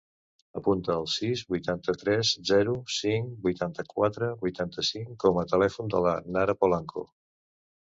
Apunta el sis, vuitanta-tres, zero, cinc, vuitanta-quatre, vuitanta-cinc com a telèfon de la Nara Polanco.